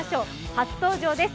初登場です。